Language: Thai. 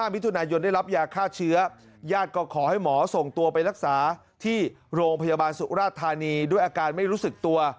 มิถุนายนได้รับยาฆ่าเชื้อญาติก็ขอให้หมอส่งตัวไปรักษาที่โรงพยาบาลสุราธานีด้วยอาการไม่รู้สึกตัว